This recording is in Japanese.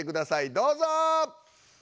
どうぞ！